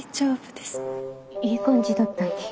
いい感じだったんで。